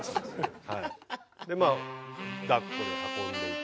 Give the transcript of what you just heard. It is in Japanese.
でまあ抱っこで運んでいって。